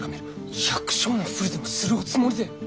百姓のふりでもするおつもりで？